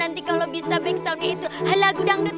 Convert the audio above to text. nanti kalau bisa back soundnya itu lagu dangdut